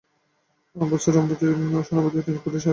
বস্তুত রমাপতির অন্তরের সহানুভূতি নীলকুঠির সাহেবের প্রতিই ছিল।